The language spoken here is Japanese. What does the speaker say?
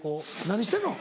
何してんの？